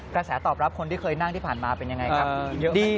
กระแสตอบรับคนที่เคยนั่งที่ผ่านมาเป็นยังไงครับ